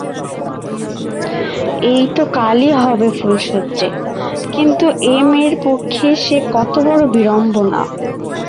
এই তো কালই হবে ফুলশয্যে, কিন্তু এ মেয়ের পক্ষে সে কতবড়ো বিড়ম্বনা!